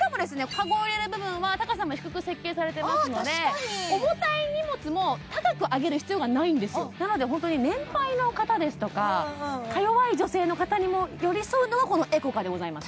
カゴを入れる部分は高さも低く設計されてますので重たい荷物も高く上げる必要がないんですよなのでホントに年配の方ですとかか弱い女性の方にも寄り添うのがこのＥｃｏＣａでございます